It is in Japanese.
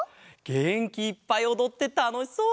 げんきいっぱいおどってたのしそう！